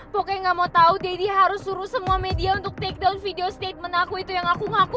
pokoknya gak mau tahu deddy harus suruh semua media untuk take down video statement aku itu yang aku ngaku